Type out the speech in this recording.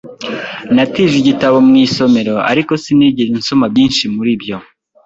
Natije igitabo mu isomero, ariko sinigeze nsoma byinshi muri byo.